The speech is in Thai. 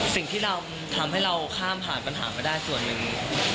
สิ่งที่เราทำให้เราข้ามผ่านปัญหาไปได้ส่วนหนึ่ง